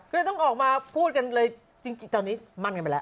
ก็เลยต้องออกมาพูดกันเลยจริงตอนนี้มั่นกันไปแล้ว